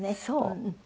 そう。